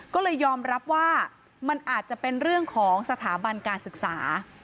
ก็เลยยอมรับว่ามันอาจจะเป็นเรื่องของสถาบันการศึกษา